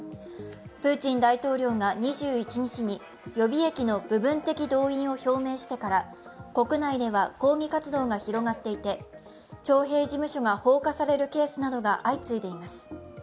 プーチン大統領が２１日に予備役の部分的動員を表明してから国内では抗議活動が広がっていて徴兵事務所が放火されるケースなどが相次いでいます。